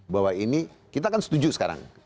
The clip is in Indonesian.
bahwa ini kita kan setuju sekarang